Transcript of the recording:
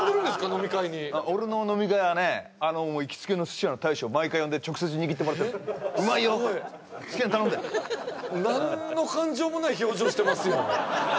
飲み会に俺の飲み会はね行きつけの寿司屋の大将毎回呼んで直接握ってもらってるうまいよ好きなの頼んで何の感情もない表情してますよ